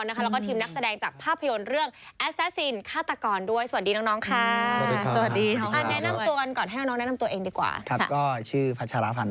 แล้วก็ทีมนักแสดงจากภาพยนตร์เรื่อง